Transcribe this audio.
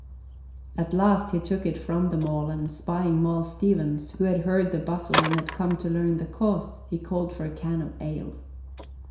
At last he took it from them all and, spying Moll Stevens, who had heard the bustle and had come to learn the cause, he called for a can of ale.